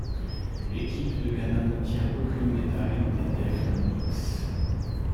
L'équipe de Ghana n'obtient aucun médaille des Deaflympics.